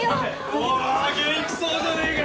お元気そうじゃねえか。